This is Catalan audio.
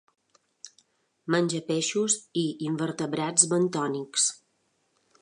Menja peixos i invertebrats bentònics.